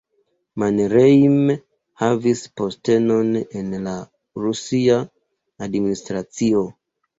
Mannerheim havis postenon en la rusia administracio.